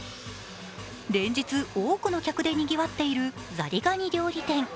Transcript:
連日、多くの客でにぎわっているザリガニ料理店。